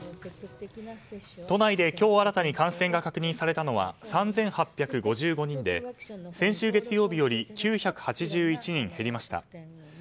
都内で今日新たに感染が確認されたのは３８５５人で先週月曜日より９８１人減りました。